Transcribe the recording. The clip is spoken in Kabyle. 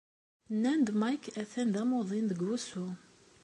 Nnan-d Mike atan d amuḍin deg wusu.